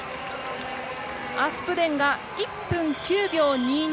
アスプデンが１分９秒２２。